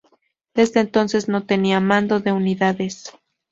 Desde entonces no tenía mando de unidades.